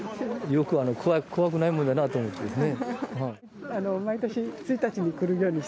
よく怖くないもんだなと思ってね。